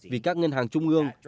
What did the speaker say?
vì các ngân hàng trung ương